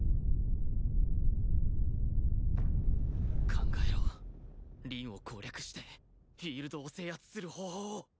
考えろ凛を攻略してフィールドを制圧する方法を